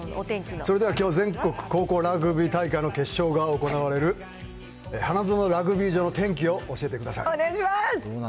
それではきょう、全国高校ラグビー大会の決勝が行われる、花園ラグビー場の天気をお願いします。